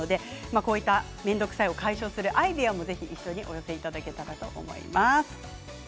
こういった面倒くさいを解消するアイデアも寄せていただければと思います。